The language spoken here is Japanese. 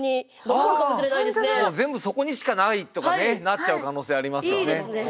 もう全部そこにしかないとかねなっちゃう可能性ありますよね